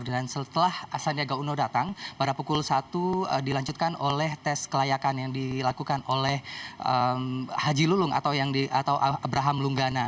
dan setelah sandiaga uno datang pada pukul satu dilanjutkan oleh tes kelayakan yang dilakukan oleh haji lulung atau abraham lunggana